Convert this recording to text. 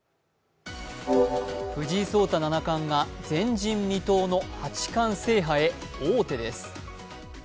藤井聡太七冠が前人未到の八冠制覇へ王手です。